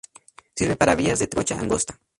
Sirve para vías de trocha angosta.